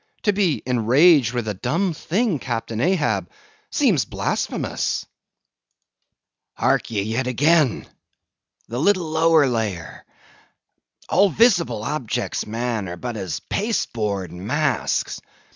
To be enraged with a dumb thing, Captain Ahab, seems blasphemous." "Hark ye yet again—the little lower layer. All visible objects, man, are but as pasteboard masks.